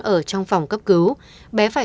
ở trong phòng cấp cứu bé phải